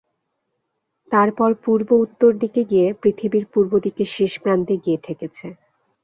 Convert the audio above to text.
তারপর পূর্ব-উত্তর দিকে গিয়ে পৃথিবীর পূর্ব দিকের শেষ প্রান্তে গিয়ে ঠেকেছে।